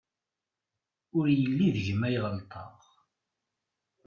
Ur yelli deg-m ay ɣelṭeɣ.